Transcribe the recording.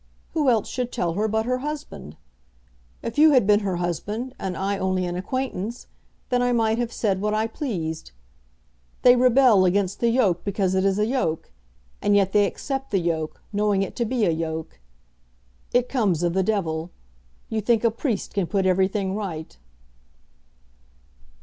Who else should tell her but her husband? If you had been her husband, and I only an acquaintance, then I might have said what I pleased. They rebel against the yoke because it is a yoke. And yet they accept the yoke, knowing it to be a yoke. It comes of the devil. You think a priest can put everything right."